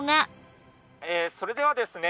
それではですね